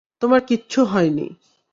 তোমার কিচ্ছু হয়নি।